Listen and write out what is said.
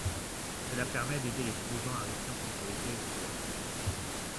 Cela permet d'aider les survivants à rester en sécurité et en bonne santé.